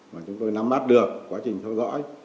mà chúng tôi nắm mắt được quá trình theo dõi